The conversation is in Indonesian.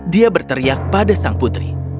dia berteriak pada sang putri